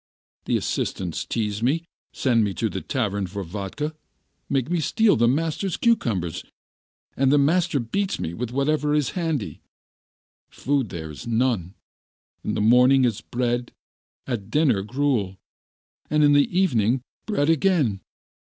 The assistants tease me, send me to the tavern for vodka, make me steal the master's cucumbers, and the master beats me with whatever is handy. Food there is none; in the morning it's bread, at dinner gruel, and in the evening bread again.